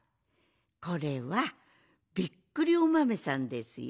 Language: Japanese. これはびっくりおまめさんですよ。